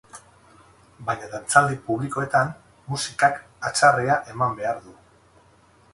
Baina dantzaldi publikoetan, musikak hatsarrea eman behar du.